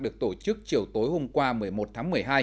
được tổ chức chiều tối hôm qua một mươi một tháng một mươi hai